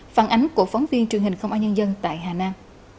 phản ánh của phóng viên truyền hình công an nhân dân tại hà nam